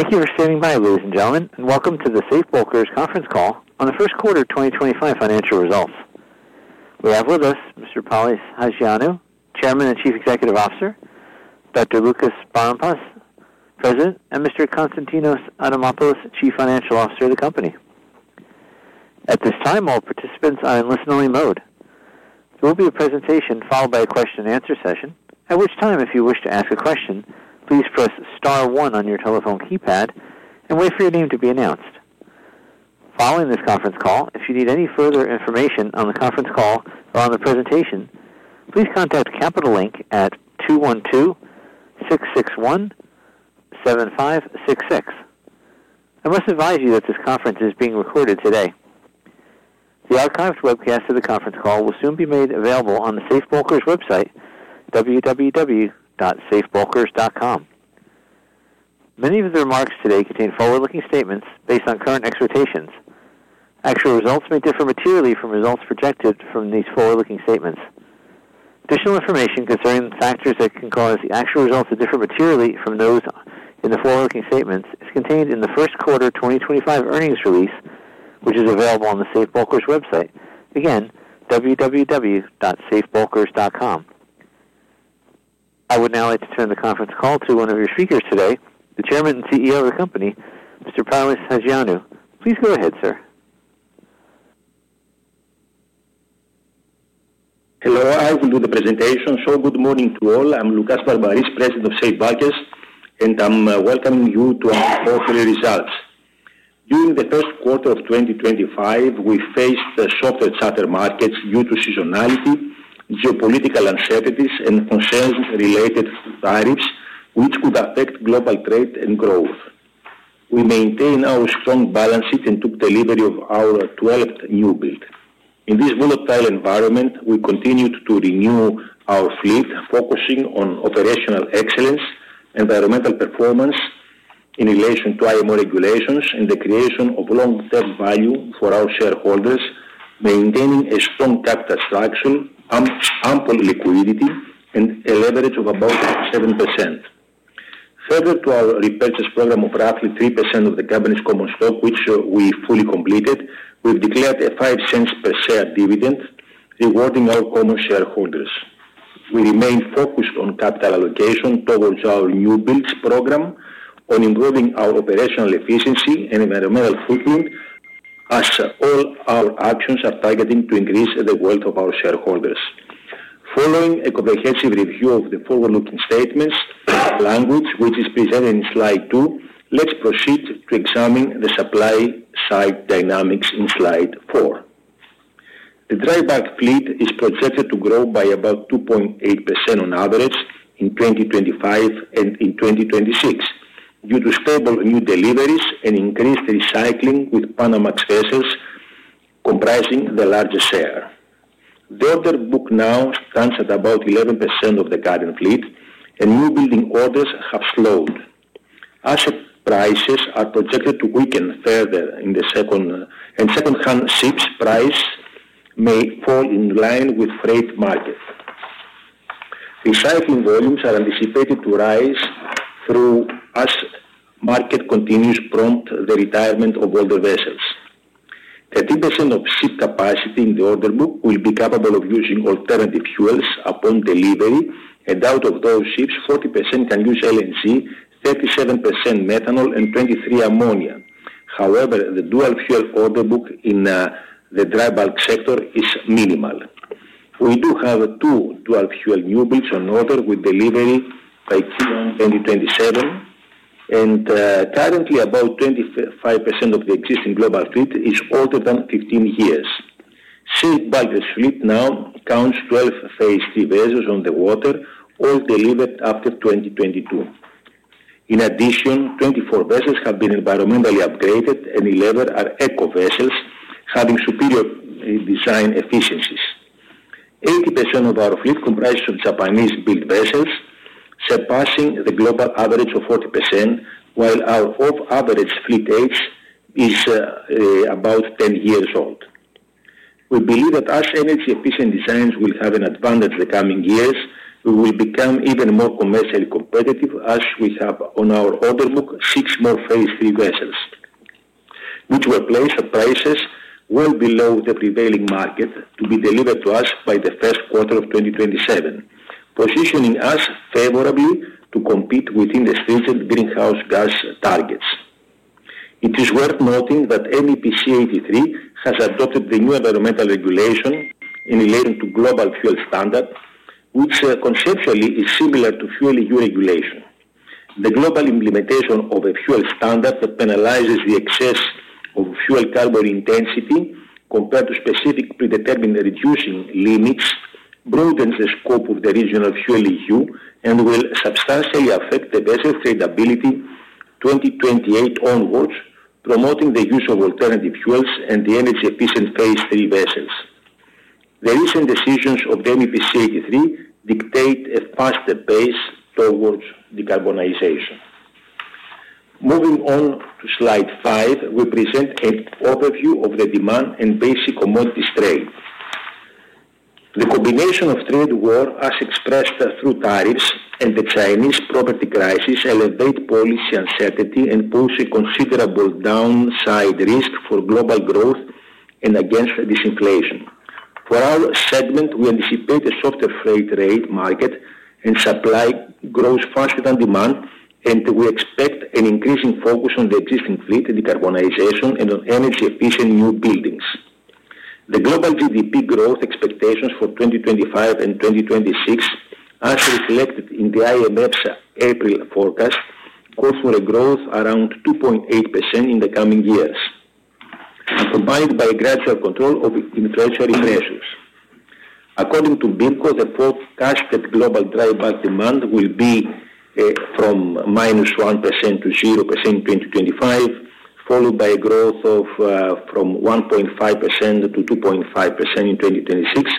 Thank you for standing by, ladies and gentlemen, and welcome to the Safe Bulkers conference call on the first quarter of 2025 financial results. We have with us Mr. Polys Hajioannou, Chairman and Chief Executive Officer; Dr. Loukas Barmparis, President; and Mr. Konstantinos Adamopoulos, Chief Financial Officer of the company. At this time, all participants are in listen-only mode. There will be a presentation followed by a question-and-answer session, at which time, if you wish to ask a question, please press star one on your telephone keypad and wait for your name to be announced. Following this conference call, if you need any further information on the conference call or on the presentation, please contact Capital Link at 212-661-7566. I must advise you that this conference is being recorded today. The archived webcast of the conference call will soon be made available on the Safe Bulkers website, www.safebulkers.com. Many of the remarks today contain forward-looking statements based on current expectations. Actual results may differ materially from results projected from these forward-looking statements. Additional information concerning the factors that can cause the actual results to differ materially from those in the forward-looking statements is contained in the first quarter 2025 earnings release, which is available on the Safe Bulkers website, again, www.safebulkers.com. I would now like to turn the conference call to one of your speakers today, the Chairman and CEO of the company, Mr. Polys Hajioannou. Please go ahead, sir. Hello. I will do the presentation. Good morning to all. I'm Loukas Barmparis, President of Safe Bulkers, and I'm welcoming you to our quarterly results. During the first quarter of 2025, we faced soft and shattered markets due to seasonality, geopolitical uncertainties, and concerns related to tariffs, which could affect global trade and growth. We maintained our strong balance sheet and took delivery of our 12th newbuild. In this volatile environment, we continued to renew our fleet, focusing on operational excellence, environmental performance in relation to IMO regulations, and the creation of long-term value for our shareholders, maintaining a strong capital structure, ample liquidity, and a leverage of about 7%. Further, to our repurchase program of roughly 3% of the company's common stock, which we fully completed, we've declared a $0.05 per share dividend, rewarding all common shareholders. We remain focused on capital allocation towards our newbuilds program, on improving our operational efficiency and environmental footprint, as all our actions are targeting to increase the wealth of our shareholders. Following a comprehensive review of the forward-looking statements language, which is presented in slide two, let's proceed to examine the supply-side dynamics in slide four. The dry bulk fleet is projected to grow by about 2.8% on average in 2025 and in 2026 due to stable new deliveries and increased recycling with Panama's vessels comprising the largest share. The order book now stands at about 11% of the current fleet, and newbuilding orders have slowed. Asset prices are projected to weaken further in the second, and second-hand ships' price may fall in line with the freight market. Recycling volumes are anticipated to rise through as market continues to prompt the retirement of older vessels. 30% of ship capacity in the order book will be capable of using alternative fuels upon delivery, and out of those ships, 40% can use LNC, 37% methanol, and 23% ammonia. However, the dual-fuel order book in the dry bulk sector is minimal. We do have two dual-fuel new builds on order with delivery by Q1 2027, and currently, about 25% of the existing global fleet is older than 15 years. Safe Bulkers fleet now counts 12 Phase Three Vessels on the water, all delivered after 2022. In addition, 24 vessels have been environmentally upgraded, and 11 are eco-vessels, having superior design efficiencies. 80% of our fleet comprises Japanese-built vessels, surpassing the global average of 40%, while our average fleet age is about 10 years old. We believe that as energy-efficient designs will have an advantage in the coming years, we will become even more commercially competitive, as we have on our order book six more Phase Three Vessels, which will place prices well below the prevailing market to be delivered to us by the first quarter of 2027, positioning us favorably to compete within the stringent greenhouse gas targets. It is worth noting that MEPC 83 has adopted the new environmental regulation in relation to global fuel standard, which conceptually is similar to fuel EU regulation. The global implementation of a fuel standard that penalizes the excess of fuel carbon intensity compared to specific predetermined reducing limits broadens the scope of the regional fuel EU and will substantially affect the vessel's tradability 2028 onwards, promoting the use of alternative fuels and the energy-efficient Phase Three Vessels. The recent decisions of the MEPC 83 dictate a faster pace towards decarbonization. Moving on to slide five, we present an overview of the demand and basic commodities trade. The combination of trade war, as expressed through tariffs and the Chinese property crisis, elevates policy uncertainty and poses a considerable downside risk for global growth and against disinflation. For our segment, we anticipate a softer freight rate market and supply grows faster than demand, and we expect an increasing focus on the existing fleet, decarbonization, and on energy-efficient new buildings. The global GDP growth expectations for 2025 and 2026, as reflected in the IMF's April forecast, call for a growth around 2.8% in the coming years, combined by a gradual control of inflationary pressures. According to BIMCO, the forecasted global dry bulk demand will be from -1% to 0% in 2025, followed by a growth from 1.5% to 2.5% in 2026,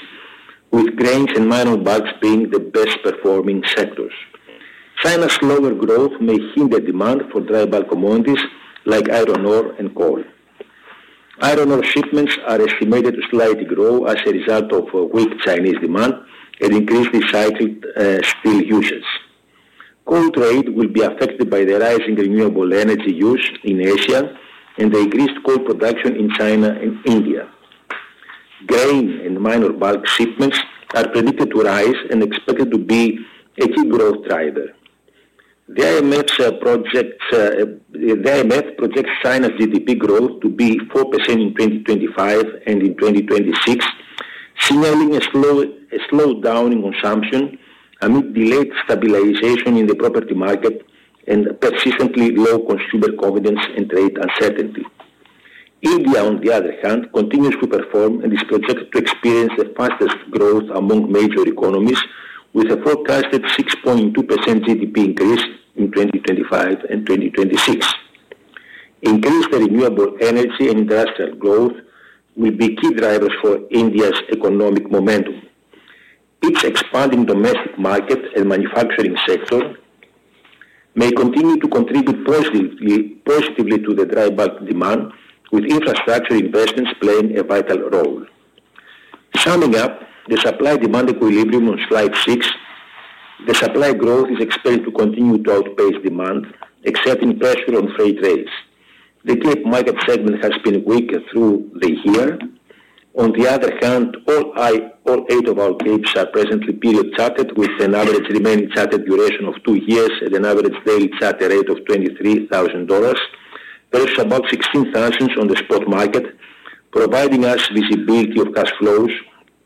with grains and mineral bulks being the best-performing sectors. China's slower growth may hinder demand for dry bulk commodities like iron ore and coal. Iron ore shipments are estimated to slightly grow as a result of weak Chinese demand and increased recycled steel uses. Coal trade will be affected by the rising renewable energy use in Asia and the increased coal production in China and India. Grain and mineral bulk shipments are predicted to rise and expected to be a key growth driver. The IMF projects China's GDP growth to be 4% in 2025 and in 2026, signaling a slowdown in consumption amid delayed stabilization in the property market and persistently low consumer confidence and trade uncertainty. India, on the other hand, continues to perform and is projected to experience the fastest growth among major economies, with a forecasted 6.2% GDP increase in 2025 and 2026. Increased renewable energy and industrial growth will be key drivers for India's economic momentum. Its expanding domestic market and manufacturing sector may continue to contribute positively to the dry bulk demand, with infrastructure investments playing a vital role. Summing up the supply-demand equilibrium on slide six, the supply growth is expected to continue to outpace demand, exerting pressure on freight rates. The cape market segment has been weak through the year. On the other hand, all eight of our capes are presently period chartered, with an average remaining chartered duration of two years and an average daily chartered rate of $23,000. There's about $16,000 on the spot market, providing us visibility of cash flows,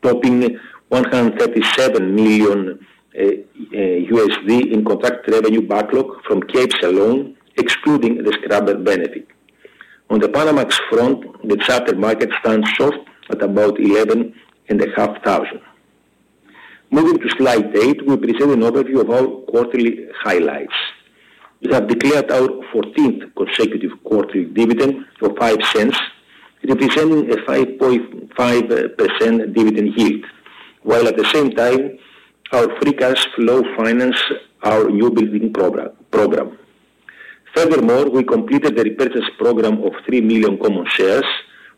topping $137 million in contract revenue backlog from capes alone, excluding the Scrubber benefit. On the Panamax front, the charter market stands soft at about $11,500. Moving to slide eight, we present an overview of our quarterly highlights. We have declared our 14th consecutive quarterly dividend of $0.05, representing a 5.5% dividend yield, while at the same time, our free cash flow finances our new building program. Furthermore, we completed the repurchase program of 3 million common shares.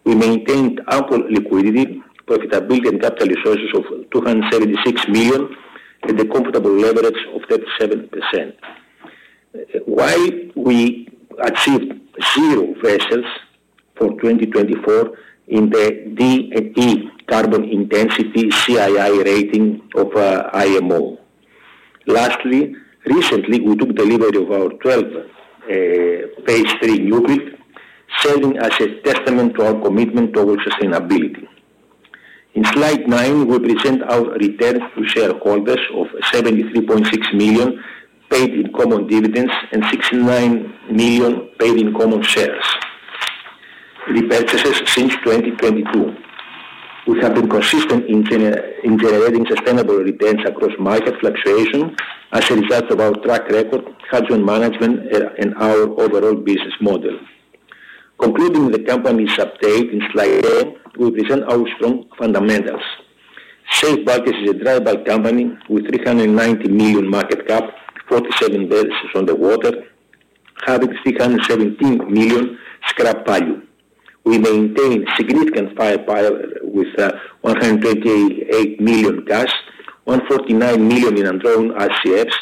We maintained ample liquidity, profitability, and capital resources of $276 million, with a comfortable leverage of 37%. Why? We achieved zero vessels for 2024 in the D and E carbon intensity CII rating of IMO. Lastly, recently, we took delivery of our 12th Phase Three Newbuild, serving as a testament to our commitment towards sustainability. In slide nine, we present our return to shareholders of $73.6 million paid in common dividends and $69 million paid in common share repurchases since 2022. We have been consistent in generating sustainable returns across market fluctuation as a result of our track record, hedge fund management, and our overall business model. Concluding the company's update, in slide eight, we present our strong fundamentals. Safe Bulkers is a dry bulk company with $390 million market cap, 47 vessels on the water, having $317 million scrap value. We maintain significant firepower with $128 million cash, $149 million in drawn RCFs,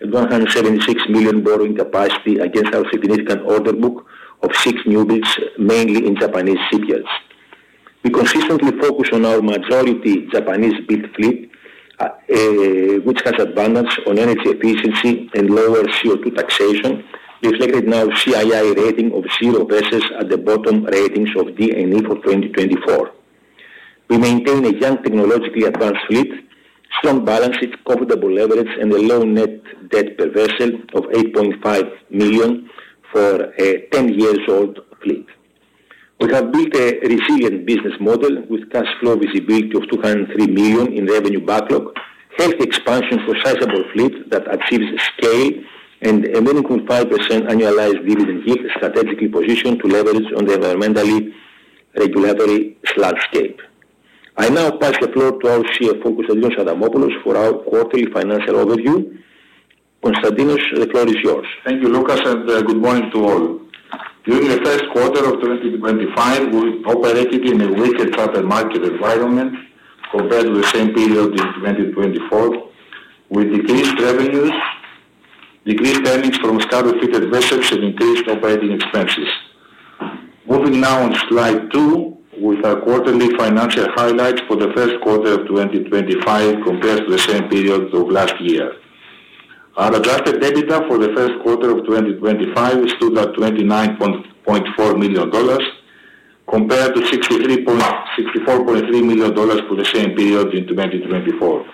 and $176 million borrowing capacity against our significant order book of six newbuilds, mainly in Japanese shipyards. We consistently focus on our majority Japanese-built fleet, which has a balance on energy efficiency and lower CO2 taxation, reflecting our CII rating of zero vessels at the bottom ratings of D and E for 2024. We maintain a young, technologically advanced fleet, strong balance sheet, comfortable leverage, and a low net debt per vessel of $8.5 million for a 10 years old fleet. We have built a resilient business model with cash flow visibility of $203 million in revenue backlog, healthy expansion for sizable fleet that achieves scale, and a 1.5% annualized dividend yield strategically positioned to leverage on the environmentally regulatory landscape. I now pass the floor to our CFO, Konstantinos Adamopoulos, for our quarterly financial overview. Konstantinos, the floor is yours. Thank you, Loukas, and good morning to all. During the first quarter of 2025, we operated in a weaker capital market environment compared to the same period in 2024, with decreased revenues, decreased earnings from scarred fleeted vessels, and increased operating expenses. Moving now on slide two, with our quarterly financial highlights for the first quarter of 2025 compared to the same period of last year. Our adjusted EBITDA for the first quarter of 2025 stood at $29.4 million, compared to $64.3 million for the same period in 2024.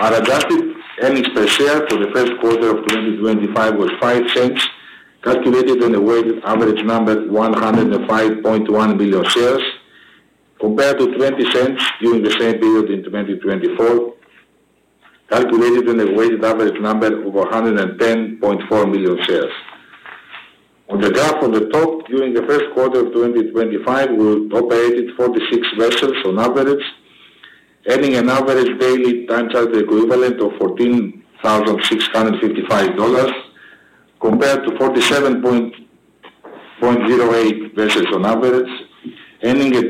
Our adjusted earnings per share for the first quarter of 2025 was $0.05, calculated on a weighted average number of 105.1 million shares, compared to $0.20 during the same period in 2024, calculated on a weighted average number of 110.4 million shares. On the graph on the top, during the first quarter of 2025, we operated 46 vessels on average, earning an average daily Time Charter equivalent of $14,655, compared to 47.08 vessels on average, earning a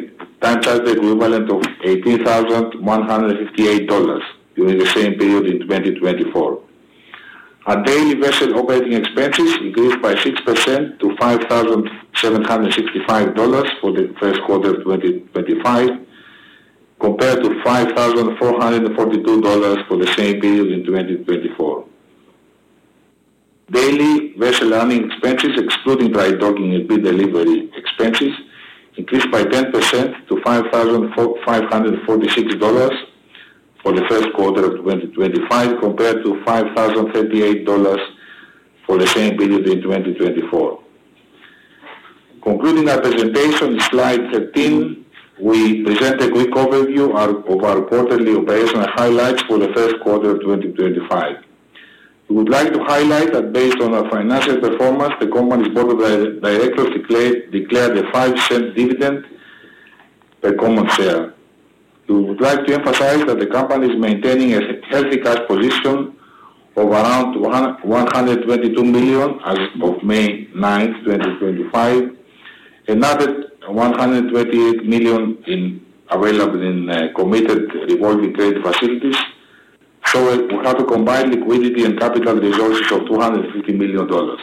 Time Charter equivalent of $18,158 during the same period in 2024. Our daily vessel operating expenses increased by 6% to $5,765 for the first quarter of 2025, compared to $5,442 for the same period in 2024. Daily vessel earning expenses, excluding Dry-docking and bid delivery expenses, increased by 10% to $5,546 for the first quarter of 2025, compared to $5,038 for the same period in 2024. Concluding our presentation in slide 13, we present a quick overview of our quarterly operational highlights for the first quarter of 2025. We would like to highlight that based on our financial performance, the company's board of directors declared a $0.05 dividend per common share. We would like to emphasize that the company is maintaining a healthy cash position of around $122 million as of May 9, 2025, and another $128 million available in committed revolving trade facilities. We have combined liquidity and capital resources of $250 million.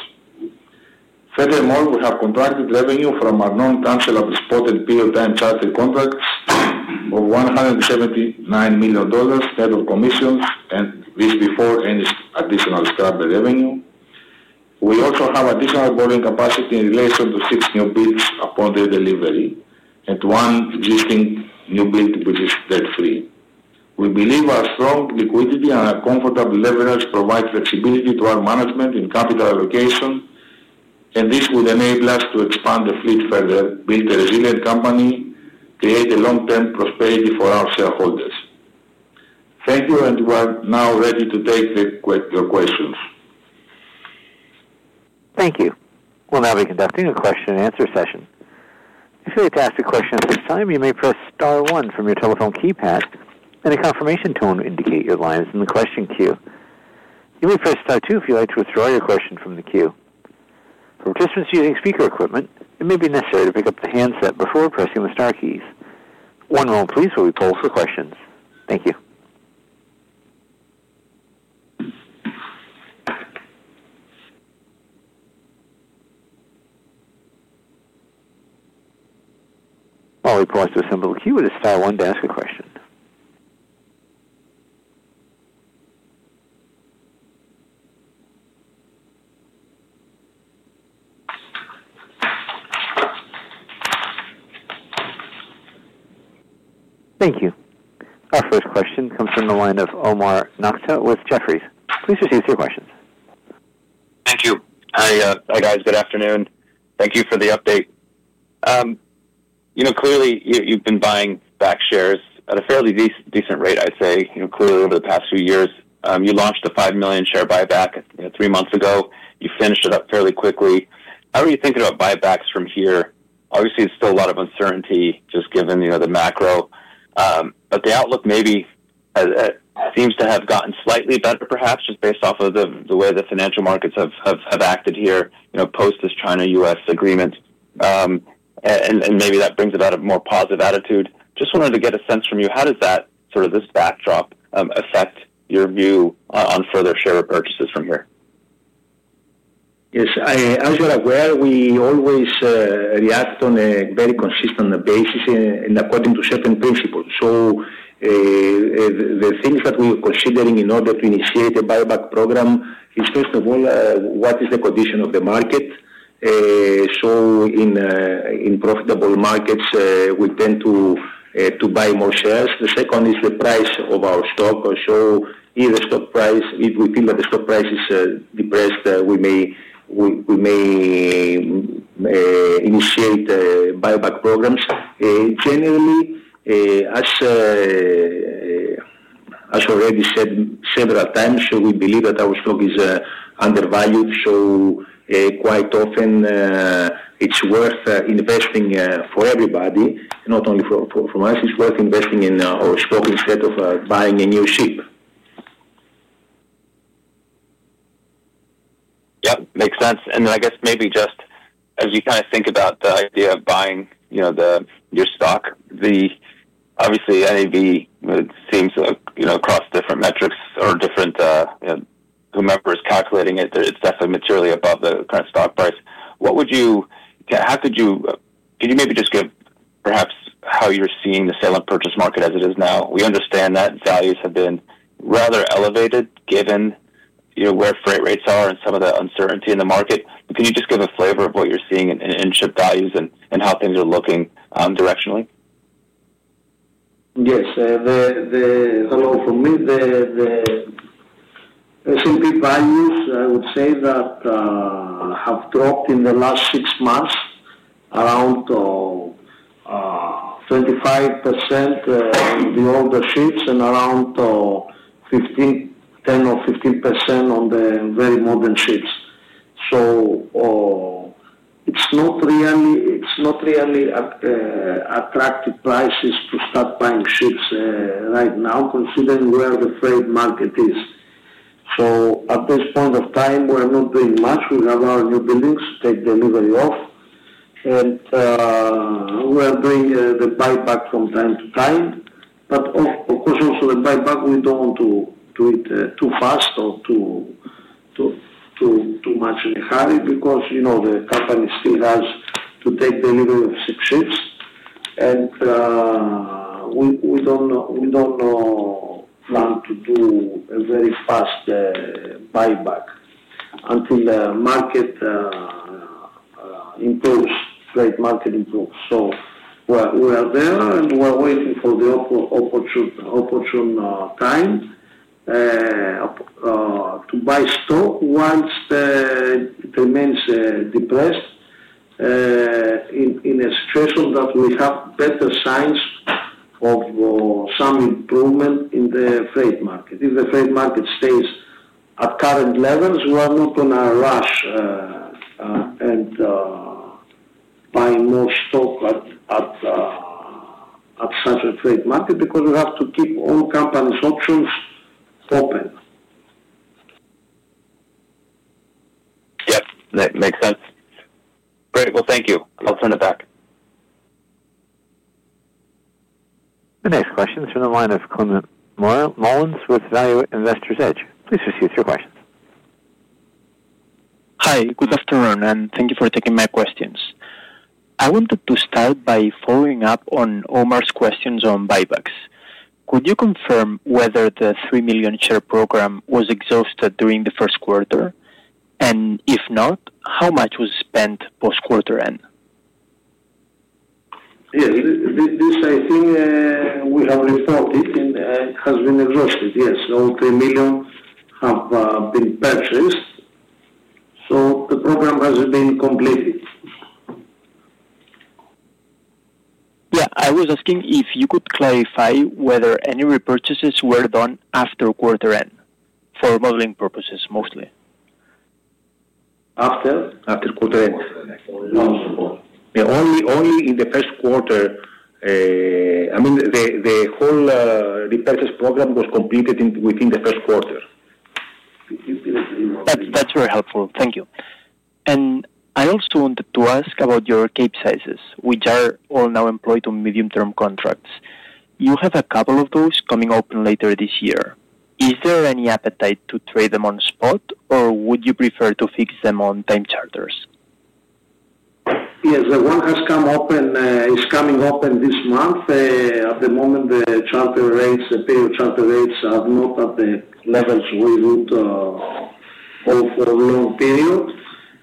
Furthermore, we have contracted revenue from our non-tangible spot and period Time Chartered contracts of $179 million net of commissions, which is before any additional Scrubber revenue. We also have additional borrowing capacity in relation to six new builds upon their delivery and one existing new build, which is debt-free. We believe our strong liquidity and our comfortable leverage provide flexibility to our management in capital allocation, and this would enable us to expand the fleet further, build a resilient company, and create a long-term prosperity for our shareholders. Thank you, and we are now ready to take your questions. Thank you. We'll now begin the question-and-answer session. If you'd like to ask a question at this time, you may press star one from your telephone keypad and a confirmation tone to indicate your line is in the question queue. You may press star two if you'd like to withdraw your question from the queue. For participants using speaker equipment, it may be necessary to pick up the handset before pressing the star keys. One moment, please, while we poll for questions. Thank you. While we point out the symbol of the queue, it is star one to ask a question. Thank you. Our first question comes from the line of Omar Nokta with Jefferies. Please proceed to your questions. Thank you. Hi, guys. Good afternoon. Thank you for the update. Clearly, you've been buying back shares at a fairly decent rate, I'd say, clearly over the past few years. You launched a 5 million share buyback three months ago. You finished it up fairly quickly. How are you thinking about buybacks from here? Obviously, there's still a lot of uncertainty just given the macro, but the outlook maybe seems to have gotten slightly better, perhaps, just based off of the way the financial markets have acted here post this China-U.S. agreement, and maybe that brings about a more positive attitude. Just wanted to get a sense from you, how does this backdrop affect your view on further share purchases from here? Yes. As you're aware, we always react on a very consistent basis and according to certain principles. The things that we are considering in order to initiate a buyback program is, first of all, what is the condition of the market? In profitable markets, we tend to buy more shares. The second is the price of our stock. If we feel that the stock price is depressed, we may initiate buyback programs. Generally, as already said several times, we believe that our stock is undervalued. Quite often, it's worth investing for everybody, not only for us. It's worth investing in our stock instead of buying a new ship. Yep. Makes sense. I guess maybe just as you kind of think about the idea of buying your stock, obviously, NAV seems across different metrics or different whomever is calculating it, it's definitely materially above the current stock price. What would you—can you maybe just give perhaps how you're seeing the sale and purchase market as it is now? We understand that values have been rather elevated given where freight rates are and some of the uncertainty in the market. Can you just give a flavor of what you're seeing in ship values and how things are looking directionally? Yes. Hello from me. The S&P values, I would say, that have dropped in the last six months around 25% on the older ships and around 10%-15% on the very modern ships. It is not really attractive prices to start buying ships right now, considering where the freight market is. At this point of time, we are not doing much. We have our new buildings to take delivery of, and we are doing the buyback from time to time. Of course, also the buyback, we do not want to do it too fast or too much in a hurry because the company still has to take delivery of six ships. We do not want to do a very fast buyback until the market improves, freight market improves. We are there, and we're waiting for the opportune time to buy stock once it remains depressed in a situation that we have better signs of some improvement in the freight market. If the freight market stays at current levels, we are not going to rush and buy more stock at such a freight market because we have to keep all companies' options open. Yep. Makes sense. Great. Thank you. I'll turn it back. The next question is from the line of Clement Mullins with Value Investor's Edge. Please proceed with your questions. Hi. Good afternoon, and thank you for taking my questions. I wanted to start by following up on Omar's questions on buybacks. Could you confirm whether the 3 million share program was exhausted during the first quarter? If not, how much was spent post-quarter end? Yes. This I think we have reported, and it has been exhausted. Yes. All 3 million have been purchased. So the program has been completed. Yeah. I was asking if you could clarify whether any repurchases were done after quarter end for modeling purposes mostly. After? After quarter end? Only in the first quarter. I mean, the whole repurchase program was completed within the first quarter. That's very helpful. Thank you. I also wanted to ask about your Capesizes, which are all now employed on medium-term contracts. You have a couple of those coming open later this year. Is there any appetite to trade them on spot, or would you prefer to fix them on Time Charters? Yes. One has come open; it's coming open this month. At the moment, the charter rates, the period charter rates are not at the levels we would hope for long period.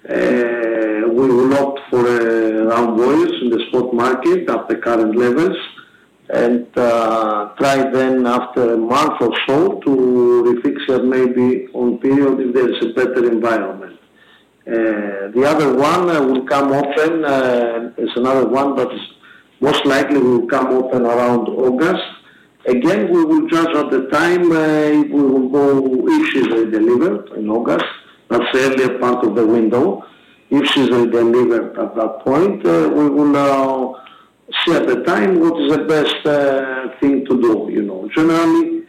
We will opt for round voyages in the spot market at the current levels and try then after a month or so to refix them maybe on period if there is a better environment. The other one will come open. There's another one that most likely will come open around August. Again, we will judge at the time if we will go if she's delivered in August. That's the earlier part of the window. If she's delivered at that point, we will see at the time what is the best thing to do. Generally,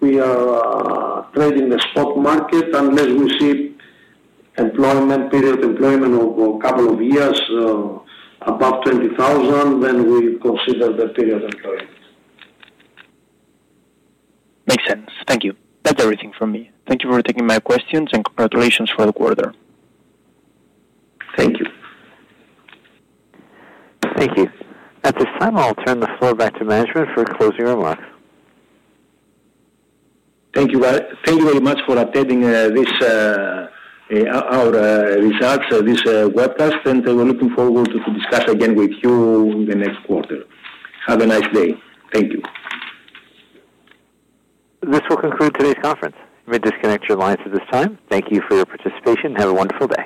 we are trading the spot market unless we see period employment of a couple of years above $20,000, then we consider the period employment. Makes sense. Thank you. That's everything from me. Thank you for taking my questions and congratulations for the quarter. Thank you. Thank you. At this time, I'll turn the floor back to management for closing remarks. Thank you very much for attending our results, this webcast, and we're looking forward to discuss again with you in the next quarter. Have a nice day. Thank you. This will conclude today's conference. You may disconnect your lines at this time. Thank you for your participation and have a wonderful day.